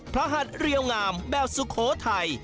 หัดเรียวงามแบบสุโขทัย